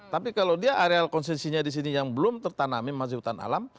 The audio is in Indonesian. tapi kalau dia areal konsesinya di sini yang belum tertanami masih hutan alam